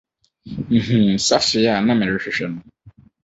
Mihuu safe a na merehwehwɛ no.